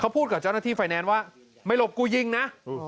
พูดกับเจ้าหน้าที่ไฟแนนซ์ว่าไม่หลบกูยิงนะ